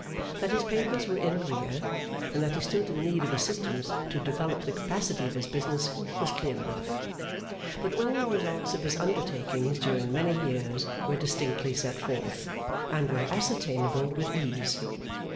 That his papers were in arrear, and that he stood in need of assistance to develop the capacity of his business, was clear enough; but all the results of his undertakings during many years were distinctly set forth, and were ascertainable with ease.